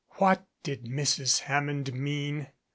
What did Mrs. Ham mond mean?